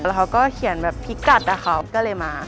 แล้วเขาก็เขียนแบบพริกกัดค่ะก็เลยมา